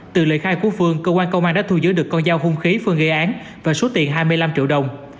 từ lời khai của phương cơ quan công an đã thu giữ được con dao hung khí phương gây án và số tiền hai mươi năm triệu đồng